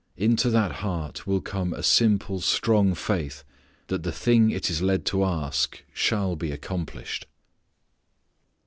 Into that heart will come a simple strong faith that the thing it is led to ask shall be accomplished.